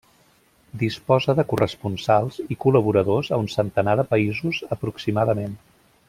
Disposa de corresponsals i col·laboradors a un centenar de països aproximadament.